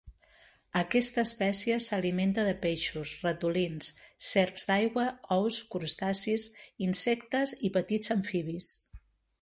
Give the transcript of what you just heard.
Aquesta espècie s'alimenta de peixos, ratolins, serps d'aigua, ous, crustacis, insectes i petits amfibis.